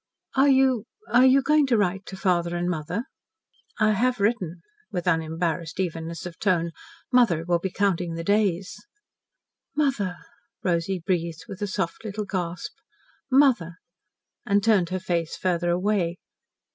"Are you when are you going to write to father and mother?" "I have written," with unembarrassed evenness of tone. "Mother will be counting the days." "Mother!" Rosy breathed, with a soft little gasp. "Mother!" and turned her face farther away.